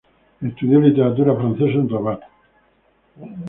Estudió literatura francesa en Rabat.